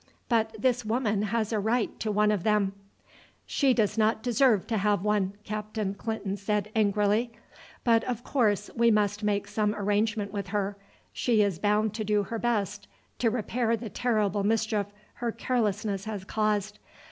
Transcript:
"But this woman has a right to one of them." "She does not deserve to have one," Captain Clinton said angrily; "but of course we must make some arrangement with her. She is bound to do her best to repair the terrible mischief her carelessness has caused.